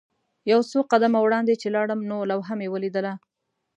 یو څو قدمه وړاندې چې لاړم نو لوحه مې ولیدله.